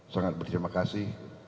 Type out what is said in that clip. sangat berterima kasih